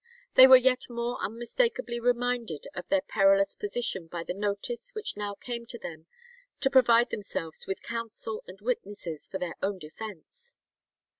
They were yet more unmistakably reminded of their perilous position by the notice which now came to them to provide themselves with counsel and witnesses for their own defence.